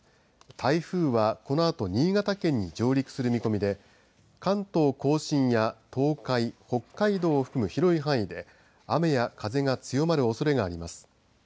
台風はこのあと新潟県に上陸する見込みで関東甲信や東海、北海道を含む広い範囲で雨や風が強まるおそれがあります。